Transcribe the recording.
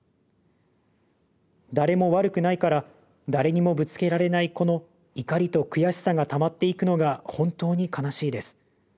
誰も悪くないから誰にもぶつけられないこの怒りと悔しさがたまっていくのがほんとに悲しいです。